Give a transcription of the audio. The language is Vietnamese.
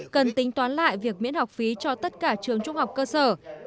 cần tính toán lại việc miễn học phí cho tất cả trường trung học cơ sở